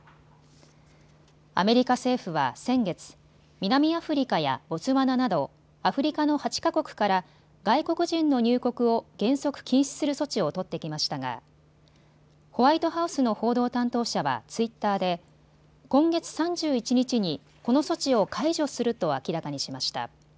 アメリカ政府は先月、南アフリカやボツワナなどアフリカの８か国から外国人の入国を原則禁止する措置を取ってきましたがホワイトハウスの報道担当者はツイッターで今月３１日にこの措置を解除すると明らかにしました。